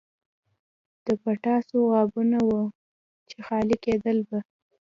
د پتاسو غابونه وو چې خالي کېدل به.